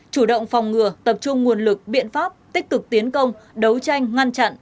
chủ động phòng ngừa tập trung nguồn lực biện pháp tích cực tiến công đấu tranh ngăn chặn